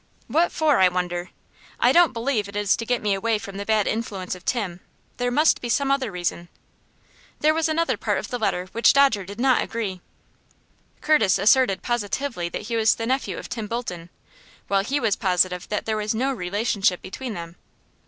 What for, I wonder? I don't believe it is to get me away from the bad influence of Tim. There must be some other reason." There was another part of the letter with which Dodger did not agree. Curtis asserted positively that he was the nephew of Tim Bolton, while he was positive that there was no relationship between them.